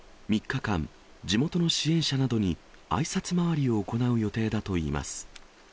３日間、地元の支援者などにあいさつ回りを行う予定だといいます。